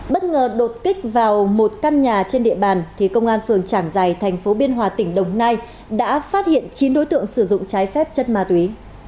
bất ngờ đột kích vào một căn nhà trên địa bàn thì công an phường trảng giài thành phố biên hòa tỉnh đồng nai đã phát hiện chín đối tượng sử dụng trái phép chất ma túy